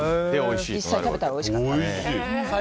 実際に食べたらおいしかったです。